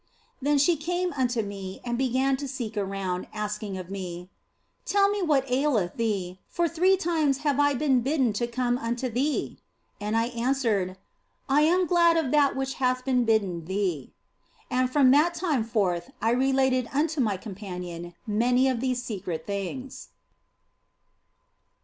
Then she came unto me and began to seek round, asking of me, " Tell me what aileth thee, for three times have I been bidden to come unto thee." And I answered, " I am glad of that which hath been bidden thee." And from that time forth I related unto my companion many of these secret things.